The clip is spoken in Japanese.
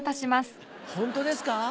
本当ですか？